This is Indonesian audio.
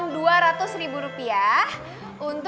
harus memberi masyarakat